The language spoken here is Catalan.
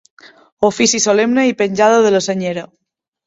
Ofici solemne i penjada de la senyera.